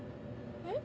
えっ？